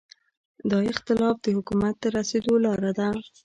دا اختلاف د حکومت ته رسېدو لاره ده.